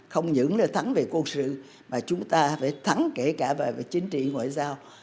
không những là thắng về quân sự mà chúng ta phải thắng kể cả về chính trị ngoại giao